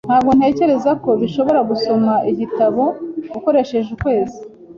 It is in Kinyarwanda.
Ntabwo ntekereza ko bishoboka gusoma igitabo ukoresheje ukwezi.